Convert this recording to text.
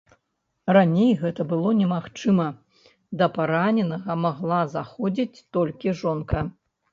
Раней гэта было немагчыма, да параненага магла заходзіць толькі жонка.